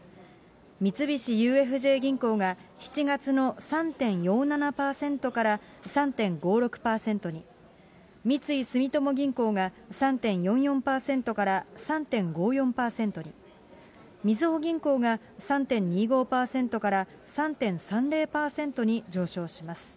三菱ＵＦＪ銀行が、７月の３．４７％から３．５６％に、三井住友銀行が、３．４４％から３．５４％に、みずほ銀行が、３．２５％から３．３０％に上昇します。